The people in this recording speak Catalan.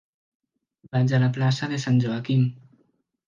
Vaig a la plaça de Sant Joaquim.